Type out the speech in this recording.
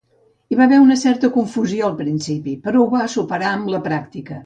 Hi va haver una certa confusió al principi, però ho va superar amb la pràctica.